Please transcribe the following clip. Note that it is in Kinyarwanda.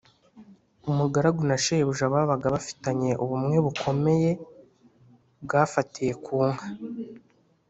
umugaragu na shebuja babaga bafitanye ubumwe bukomeye bwafatiye ku nka.